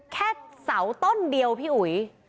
แค่เสาต้นเดียวพี่อุ๋ย